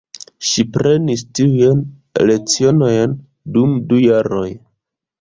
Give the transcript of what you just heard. Ŝi prenis tiujn lecionojn dum du jaroj.